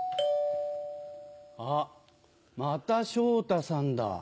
あっまた昇太さんだ。